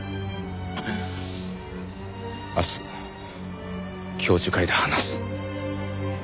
明日教授会で話す。